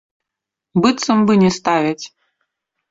Быццам бы не ставяць.